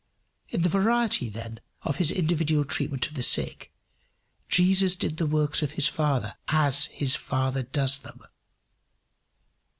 In the variety then of his individual treatment of the sick, Jesus did the works of his Father as his Father does them.